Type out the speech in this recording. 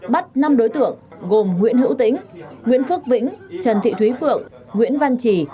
bắt năm đối tượng gồm nguyễn hữu tĩnh nguyễn phước vĩnh trần thị thúy phượng nguyễn văn trì